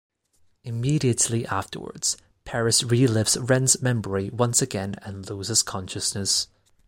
Immediately afterward, Paris relives Ren's memory once again and loses consciousness.